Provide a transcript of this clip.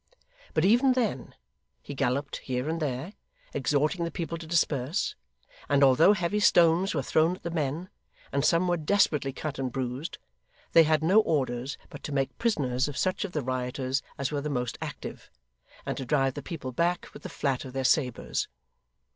But, even then, he galloped here and there, exhorting the people to disperse; and, although heavy stones were thrown at the men, and some were desperately cut and bruised, they had no orders but to make prisoners of such of the rioters as were the most active, and to drive the people back with the flat of their sabres.